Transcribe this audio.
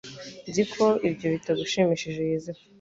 Nzi ko ibyo bitagushimishije Yozefu